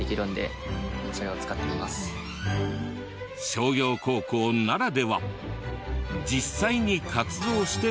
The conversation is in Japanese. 商業高校ならでは実際に活動して学ぶ。